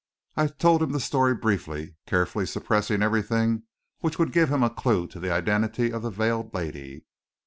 I told him the story briefly, carefully suppressing everything which would give him a clue to the identity of the veiled lady.